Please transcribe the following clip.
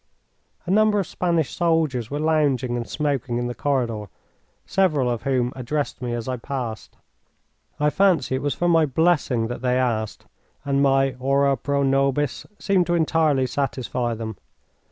A number of Spanish soldiers were lounging and smoking in the corridor, several of whom addressed me as I passed. I fancy it was for my blessing that they asked, and my "Ora pro nobis" seemed to entirely satisfy them.